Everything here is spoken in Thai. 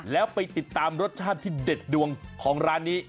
แล้วไปติดตามรสชาติที่เด็ดดวงของร้านนี้